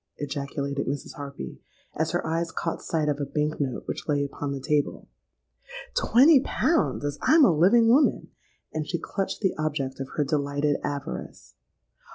ejaculated Mrs. Harpy, as her eyes caught sight of a bank note which lay upon the table. 'Twenty pounds, as I'm a living woman!' and she clutched the object of her delighted avarice.